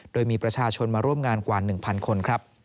โดยมีประชาชนมาร่วมงานกว่า๑๐๐คนครับ